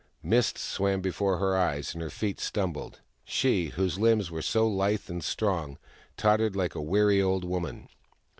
Mists swam before her eyes, and her feet stumbled : she, whose limbs were so lithe and strong, tottered like a weary old woman.